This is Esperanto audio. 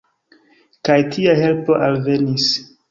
Kaj tia helpo alvenis.